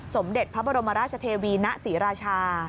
สมเด็จพระบรมราชเทวีณศรีราชา